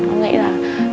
con nghĩ là